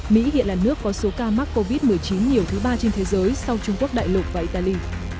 mỹ hiện là nước có số ca mắc covid một mươi chín nhiều thứ ba trên thế giới sau trung quốc đại lục và italy